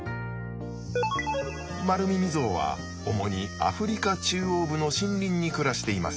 マルミミゾウは主にアフリカ中央部の森林に暮らしています。